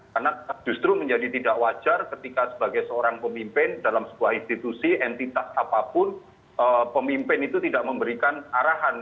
karena justru menjadi tidak wajar ketika sebagai seorang pemimpin dalam sebuah institusi entitas apapun pemimpin itu tidak memberikan arahan